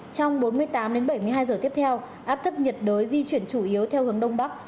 trong bốn mươi tám đến bảy mươi hai giờ tiếp theo áp thấp nhiệt đới di chuyển chủ yếu theo hướng đông bắc